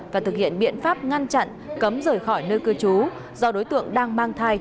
và thực hiện biện pháp ngăn chặn cấm rời khỏi nơi cư trú do đối tượng đang mang thai